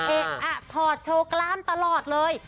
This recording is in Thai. เอ๊ะอ่ะถอดโชว์กล้ามตลอดเลย